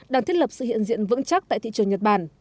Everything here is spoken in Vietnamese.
đang thiết lập sự hiện diện vững chắc tại thị trường nhật bản